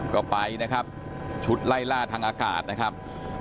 ก็ไปนะครับชุดไล่ล่าทางอากาศนะครับ